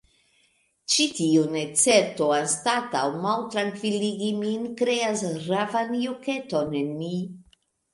Ĉi tiu necerto, anstataŭ maltrankviligi min, kreas ravan juketon en mi.